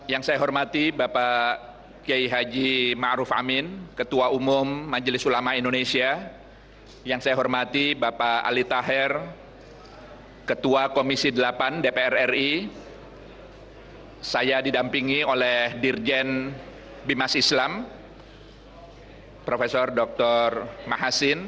assalamu'alaikum warahmatullahi wabarakatuh